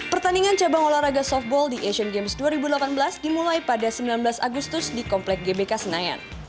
pertandingan cabang olahraga softball di asian games dua ribu delapan belas dimulai pada sembilan belas agustus di komplek gbk senayan